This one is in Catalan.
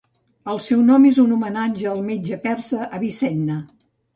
El seu nom és un homenatge al metge persa Avicenna.